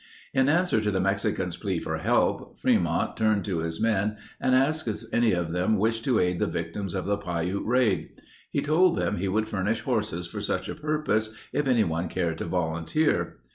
In answer to the Mexicans' plea for help, Fremont turned to his men and asked if any of them wished to aid the victims of the Piute raid. He told them he would furnish horses for such a purpose if anyone cared to volunteer.